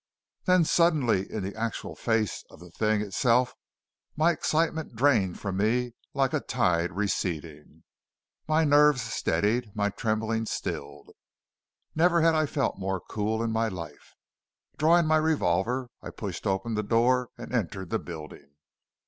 Then suddenly in the actual face of the thing itself my excitement drained from me like a tide receding. My nerves steadied, my trembling stilled. Never had I felt more cool in my life. Drawing my revolver, I pushed open the door and entered the building.